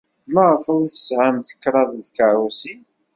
Maɣef ay tesɛam kraḍt n tkeṛṛusin?